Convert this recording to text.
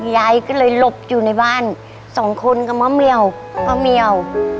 ยายก็เลยหลบอยู่ในบ้านสองคนกับมะเมียวพ่อเมียว